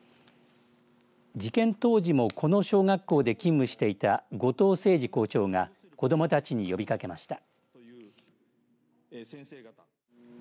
事件当時もこの小学校で勤務していた後藤誠司校長が子どもたちに呼びかけました。